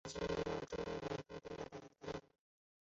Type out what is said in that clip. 沟岸希蛛为球蛛科希蛛属的动物。